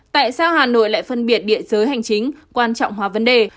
tại sao hà nội lại phân biệt địa giới hành chính quan trọng hóa vấn đề